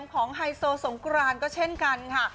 ไฮโซสงกรานก็เช่นกันค่ะ